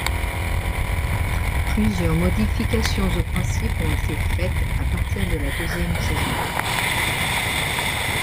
Plusieurs modifications aux principes ont été faites à partir de la deuxième saison.